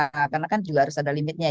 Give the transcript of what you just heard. karena kan juga harus ada limitnya